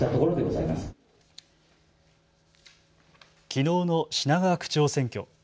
きのうの品川区長選挙。